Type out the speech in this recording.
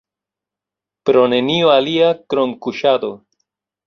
Pro nenio alia, krom kuŝado.